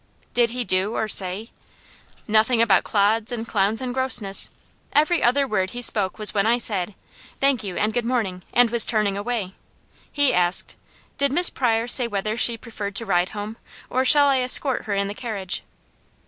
"Did he do or say " "Nothing about 'clods, and clowns, and grossness!' Every other word he spoke was when I said, 'Thank you, and good morning,' and was turning away. He asked: 'Did Miss Pryor say whether she preferred to ride home, or shall I escort her in the carriage?'"